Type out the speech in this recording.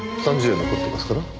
３０円残ってますから。